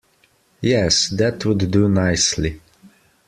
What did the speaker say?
Yes, that would do nicely.